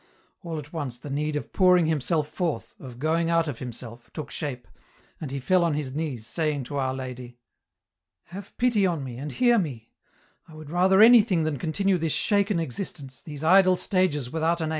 All at once the need of pouring himself forth, of going out of himself, took shape, and he fell on his knees saying to Our Lady, " Have pity on me, and hear me ; I would rather any thing than continue this shaken existence, these idle stages without an aim.